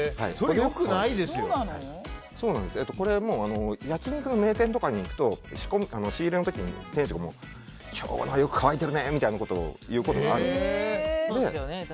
これ、焼き肉の名店とかに行くと仕入れの時に店主がちょうどよく乾いてるねみたいなことを言うことがあるんですよ。